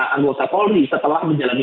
anggota polri setelah menjalani